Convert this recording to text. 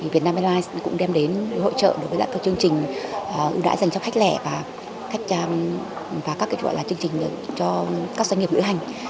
việt nam airlines cũng đem đến hội trợ đối với các chương trình ưu đãi dành cho khách lẻ và các chương trình cho các doanh nghiệp lựa hành